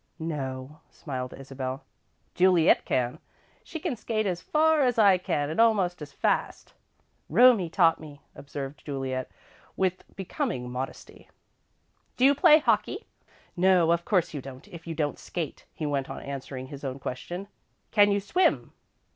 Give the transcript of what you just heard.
"No," smiled Isabel. "Juliet can. She can skate as far as I can, and almost as fast." "Romie taught me," observed Juliet, with becoming modesty. "Do you play hockey? No, of course you don't, if you don't skate," he went on, answering his own question. "Can you swim?"